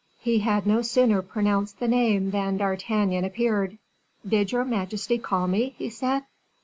He had no sooner pronounced the name than D'Artagnan appeared. "Did your majesty call me?" he said.